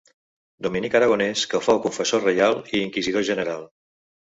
Dominic aragonès que fou confessor reial i inquisidor general.